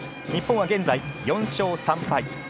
日本は現在４勝３敗。